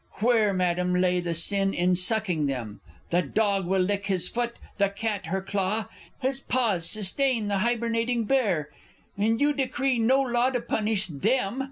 Where, Madam, lay the sin in sucking them? The dog will lick his foot, the cat her claw, His paws sustain the hibernating bear And you decree no law to punish them!